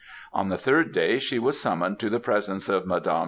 On the third day, she was summoned to the presence of Mdme.